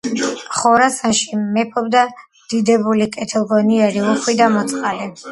ხორასანში მეფობდა დიდებული, კეთილგონიერი, უხვი და მოწყალე